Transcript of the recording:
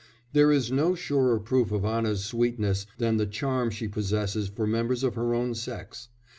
There is no surer proof of Anna's sweetness than the charm she possesses for members of her own sex.